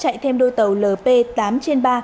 chạy thêm đôi tàu lp tám trên ba